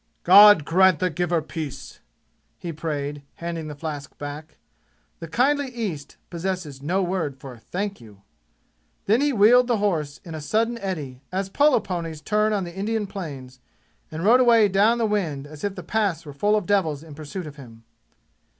"God grant the giver peace!" he prayed, handing the flask back. The kindly East possesses no word for "Thank you." Then he wheeled the horse in a sudden eddy, as polo ponies turn on the Indian plains, and rode away down the wind as if the Pass were full of devils in pursuit of him.